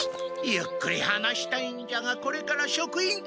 ゆっくり話したいんじゃがこれから職員会議があってのう。